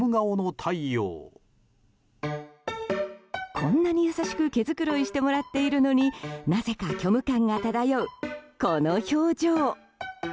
こんなに優しく毛づくろいしてもらっているのになぜか、虚無感が漂うこの表情。